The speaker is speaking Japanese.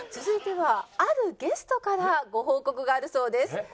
続いてはあるゲストからご報告があるそうです。